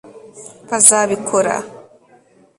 bazabikora